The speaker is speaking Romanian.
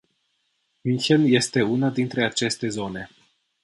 München este una dintre aceste zone.